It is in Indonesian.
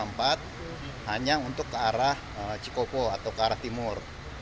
jalan tol kalitama empat hanya untuk ke arah cikopo atau ke arah timur